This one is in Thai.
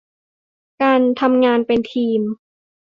การทำงานเป็นทีม